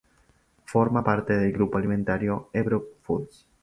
Forma parte del grupo alimentario Ebro Foods.